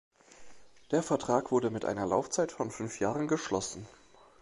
Der Vertrag wurde mit einer Laufzeit von fünf Jahren geschlossen.